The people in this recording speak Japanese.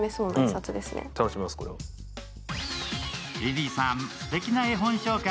リリーさん、すてきな絵本紹介